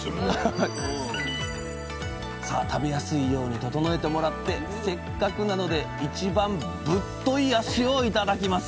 さあ食べやすいように整えてもらってせっかくなので一番ぶっとい脚をいただきます！